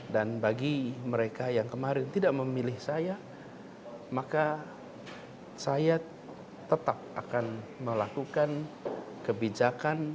dan bagi mereka yang kemarin tidak memilih saya maka saya tetap akan melakukan kebijakan